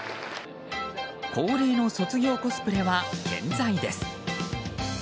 恒例の卒業コスプレは健在です。